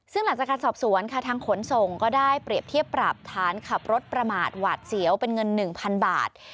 ซึ่งหลังจากการสอบสวนค่ะทางขนส่งก็ได้เปรียบเทียบปรับฐานขับรถประมาทหวาดเสียวเป็นเงิน๑๐๐๐บาท